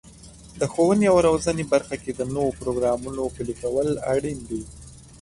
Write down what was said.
د ښوونې او روزنې برخه کې د نوو پروګرامونو پلي کول اړین دي.